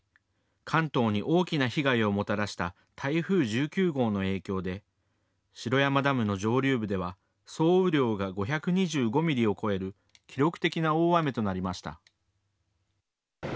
関東に大きな被害をもたらした台風１９号の影響で城山ダムの上流部では総雨量が５２５ミリを超える記録的な大雨となりました。